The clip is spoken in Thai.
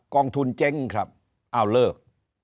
องทุนเจ๊งครับอ้าวเลิก